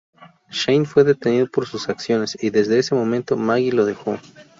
Shane fue detenido por sus acciones y desde ese momento Maggie lo dejó.